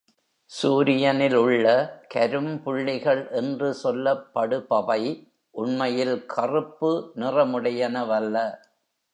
சூரியனில் உள்ள கரும்புள்ளிகள் என்று சொல்லப்படுபவை, உண்மையில் கறுப்பு நிறமுடையனவல்ல.